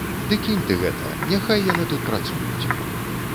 Ды кінь ты гэта, няхай яны тут працуюць.